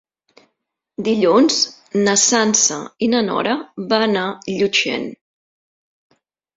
Dilluns na Sança i na Nora van a Llutxent.